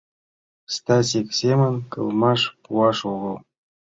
Стасик семын кылмаш пуаш огыл.